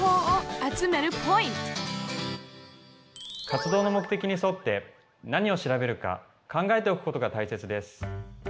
活動の目的に沿って何を調べるか考えておくことがたいせつです。